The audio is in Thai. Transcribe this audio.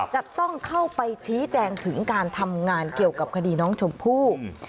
จะต้องเข้าไปชี้แจงถึงการทำงานเกี่ยวกับคดีน้องชมพู่